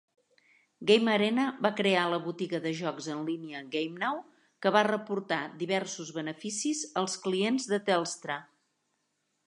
GameArena va crear la botiga de jocs en línia GameNow, que va reportar diversos beneficis als clients de Telstra.